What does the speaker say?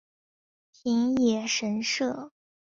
平野神社。